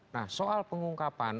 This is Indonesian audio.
nah soal pengungkapan